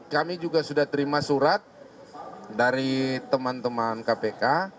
kami juga sudah terima surat dari teman teman kpk